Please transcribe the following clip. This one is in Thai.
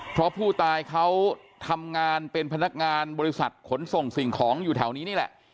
เพราะผู้ตายเขาทำงานเป็นพนักงานบริษัทขนส่งสิ่งของอยู่แถวนี้นี่แหละ